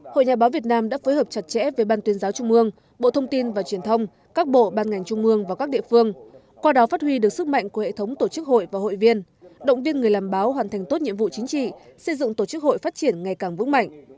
hội nhà báo việt nam đã phối hợp chặt chẽ với ban tuyên giáo trung ương bộ thông tin và truyền thông các bộ ban ngành trung mương và các địa phương qua đó phát huy được sức mạnh của hệ thống tổ chức hội và hội viên động viên người làm báo hoàn thành tốt nhiệm vụ chính trị xây dựng tổ chức hội phát triển ngày càng vững mạnh